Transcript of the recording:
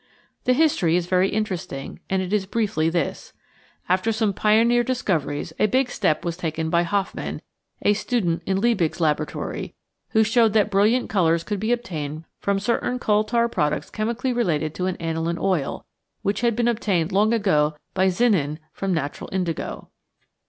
The history is very interesting, and it is briefly this. After some pioneer dis coveries, a big step was taken by Hofmann, a student in Liebig's laboratory, who showed that brilliant colours could be obtained from certain coal tar products chemically related to an aniline oil, which had been obtained long before by Zinin from natural indigo.